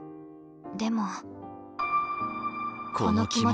でも。